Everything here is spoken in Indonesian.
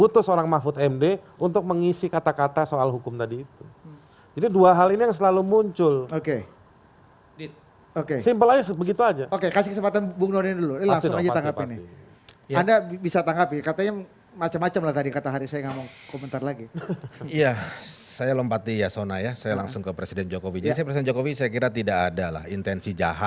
terima kasih terima kasih